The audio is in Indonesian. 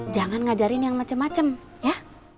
jangan ngajarin yang macem macem ya